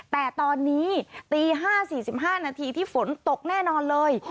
แต่ตอนนี้ตี๕๔๕นาทีที่ฝนตกแน่นอนเลย